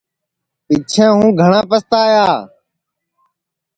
پِچھیں ہُوں گھٹؔا پستایا